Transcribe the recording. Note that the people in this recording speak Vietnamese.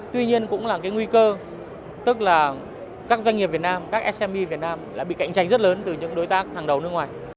tuy nhiên cũng là cái nguy cơ tức là các doanh nghiệp việt nam các sme việt nam lại bị cạnh tranh rất lớn từ những đối tác hàng đầu nước ngoài